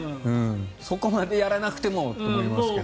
そこまでやらなくてもって思いますけど。